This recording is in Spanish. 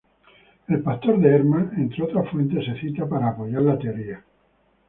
El Pastor de Hermas, entre otras fuentes, se cita para apoyar la teoría.